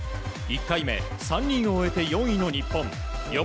１回目、３人を終えて４位の日本。